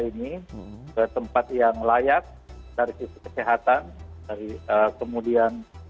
untuk menampung sementara dua ratus empat belas anjing yang tersisa